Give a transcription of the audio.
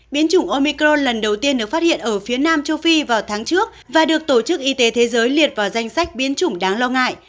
biến chủng omicron lần đầu tiên được phát hiện ở phía nam châu phi vào tháng trước và được tổ chức y tế thế giới liệt vào danh sách biến chủng đáng lo ngại